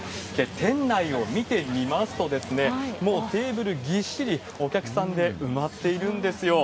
店内を見てみますと、もうテーブルぎっしり、お客さんで埋まっているんですよ。